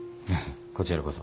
こちらこそ。